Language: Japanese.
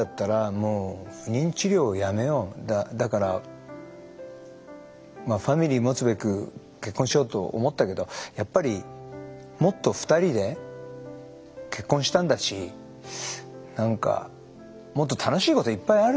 だからファミリー持つべく結婚しようと思ったけどやっぱりもっと２人で結婚したんだし何かもっと楽しいこといっぱいあるじゃないですか。